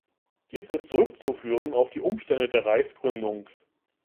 Dies ist zurückzuführen auf die Umstände der Reichsgründung.